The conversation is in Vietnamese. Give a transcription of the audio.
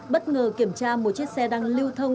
bất ngờ kiểm tra một chiếc xe đang lưu thông